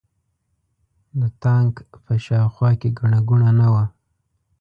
د تانک په شا او خوا کې ګڼه ګوڼه نه وه.